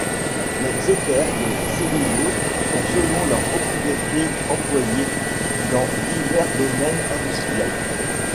Les éthers de cellulose sont selon leurs propriétés employés dans divers domaines industriels.